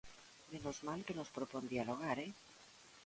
¡Menos mal que nos propón dialogar, eh!